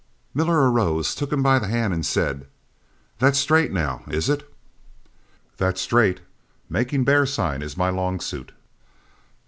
"Miller arose, took him by the hand, and said, 'That's straight, now, is it?' "'That's straight. Making bear sign is my long suit.'